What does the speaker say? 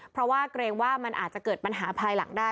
เพราะว่าเกรงว่ามันอาจจะเกิดปัญหาภายหลังได้